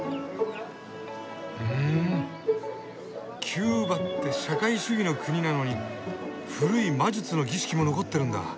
キューバって社会主義の国なのに古い魔術の儀式も残ってるんだ。